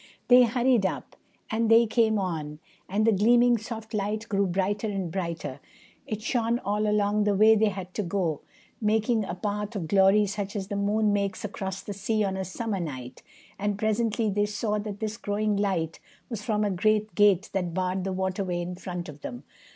They hurried up, and they came on; and the gleaming soft light grew brighter and brighter. It shone all along the way they had to go, making a path of glory such as the moon makes across the sea on a summer night. And presently they saw that this growing light was from a great gate that barred the waterway in front of them.